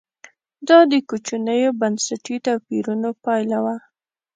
دا د کوچنیو بنسټي توپیرونو پایله وه.